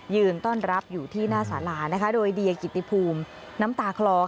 ยืนต้อนรับอยู่ที่หน้าสารานะคะโดยเดียกิติภูมิน้ำตาคลอ